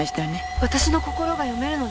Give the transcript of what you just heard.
私の心が読めるのですか？